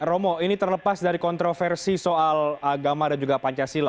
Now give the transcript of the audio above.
romo ini terlepas dari kontroversi soal agama dan juga pancasila